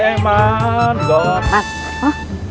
eh man goh